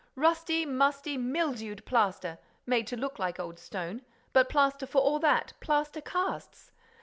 Rusty, musty, mildewed plaster, made to look like old stone—but plaster for all that, plaster casts!